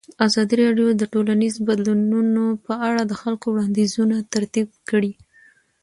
ازادي راډیو د ټولنیز بدلون په اړه د خلکو وړاندیزونه ترتیب کړي.